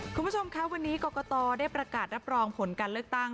คุณผู้ชมคะวันนี้กรกตได้ประกาศรับรองผลการเลือกตั้ง